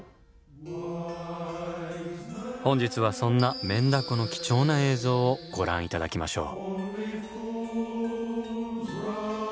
本日はそんなメンダコの貴重な映像をご覧頂きましょう。